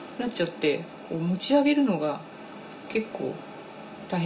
こう持ち上げるのが結構大変。